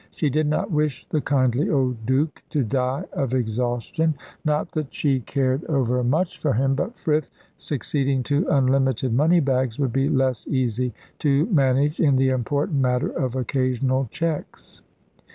She did not wish the kindly old Duke to die of exhaustion; not that she cared overmuch for him, but Frith succeeding to unlimited money bags would be less easy to manage in the important matter of occasional cheques.